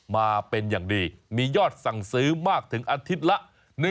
มาเป็นอย่างดีมียอดสั่งซื้อมากถึงอาทิตย์ละ